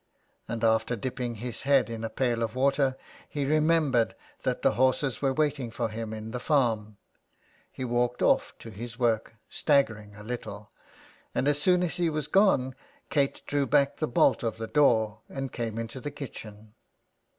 And, after dipping his head in a pail of water, he remembered that the horses were waiting for him in the farm. He w^alked off to his work, staggering a little, and as soon as he was gone Kate drew back the bolt of the door and came into the kitchen.